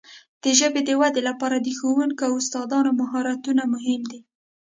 د ژبې د وده لپاره د ښوونکو او استادانو مهارتونه مهم دي.